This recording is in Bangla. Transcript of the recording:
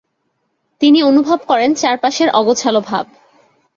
তিনি অনুভব করেন চারপাশের অগোছালো ভাব।